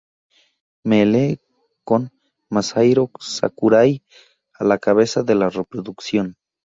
Melee", con Masahiro Sakurai a la cabeza de la producción.